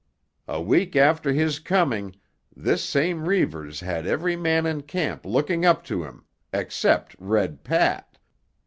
A week after his coming, this same Reivers had every man in camp looking up to him, except Red Pat.